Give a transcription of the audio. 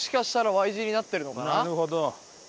なるほど。